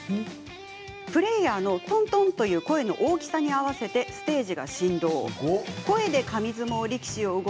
プレーヤーの「トントン」という声の大きさに合わせてステージが振動。